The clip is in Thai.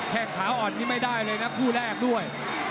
แค่งขาอ่อนนี่ไม่ได้เลยนะคู่แรกด้วย